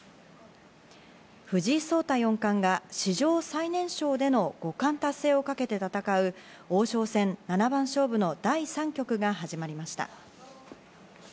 藤井聡太四冠が史上最年少での五冠達成をかけて戦う、王将戦七番勝負の第３局が始まりました。